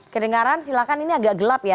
kedengaran silakan ini agak gelap ya